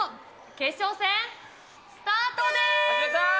決勝戦、スタートです。